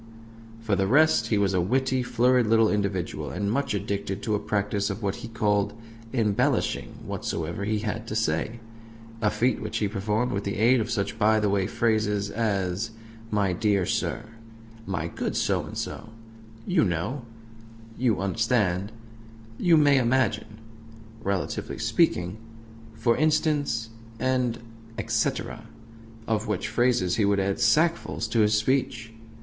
For the rest, he was a witty, florid little individual, and much addicted to a practice of what he called "embellishing" whatsoever he had to say a feat which he performed with the aid of such by the way phrases as "my dear sir," "my good So and So," "you know," "you understand," "you may imagine," "relatively speaking," "for instance," and "et cetera"; of which phrases he would add sackfuls to his speech.